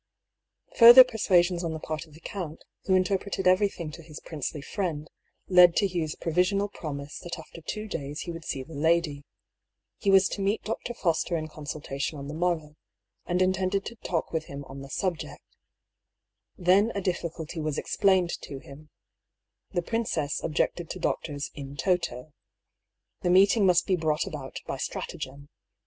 Further persuasions on the part of the count, who interpreted everything to his princely friend, led to Hugh's provisional promise that after two days he would see the lady. He was to meet Dr. Foster in con sultation on the morrow, and intended to talk with him on the subject. Then a difficulty was explained to him : the princess objected to doctors m toto. The meeting must be brought about by stratagem.